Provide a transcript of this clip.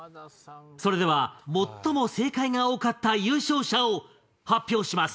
それでは最も正解が多かった優勝者を発表します。